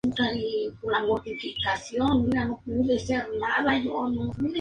Debido al accidente de su niñez Tormenta padece claustrofobia.